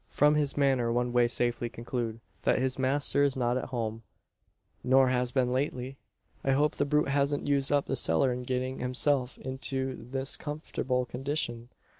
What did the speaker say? From his manner one may safely conclude, that his master is not at home, nor has been lately. I hope the brute hasn't used up the cellar in getting himself into this comfortable condition.